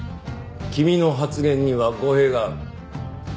君の発言には語弊がある。